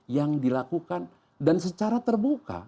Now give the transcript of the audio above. yang dilakukan dan secara terbuka